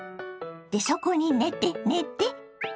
でそこに寝て寝て。